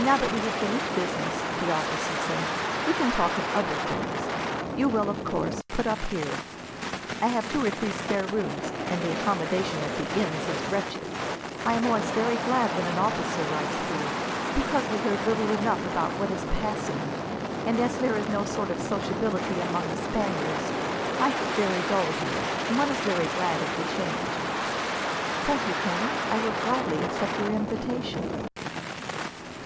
"Now that we have finished business," the officer said, "we can talk of other things. You will, of course, put up here. I have two or three spare rooms, and the accommodation at the inns is wretched. I am always very glad when an officer rides through, because we hear little enough about what is passing, and as there is no sort of sociability among the Spaniards, life is very dull here, and one is very glad of the change." "Thank you, Colonel. I will gladly accept your invitation."